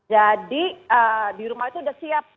jadi di rumah itu udah siap